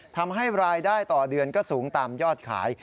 ทำให้รายได้ต่อเดือนก็สูงตามยอดขาย